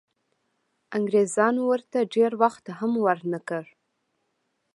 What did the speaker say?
انګریزانو ورته ډېر وخت هم ورنه کړ.